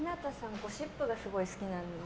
ゴシップがすごい好きなんです。